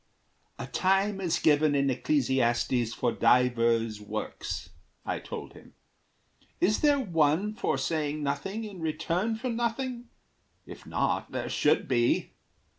"A time is given in Ecclesiastes For divers works," I told him. "Is there one For saying nothing in return for nothing? If not, there should be."